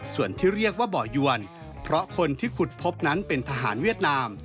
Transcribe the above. ส่วนที่เรียกว่าบ่อยวนเพราะคนที่ขุดพบนั้นเป็นทหารเวียดนาม